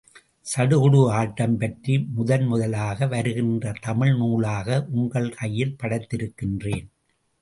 சடுகுடு ஆட்டம் பற்றி முதன்முதலாக வருகின்ற தமிழ் நூலாக உங்கள் கையில் படைத்திருக்கிறேன்.